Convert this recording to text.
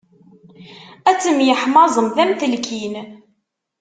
Ad temyeḥmaẓemt am telkin.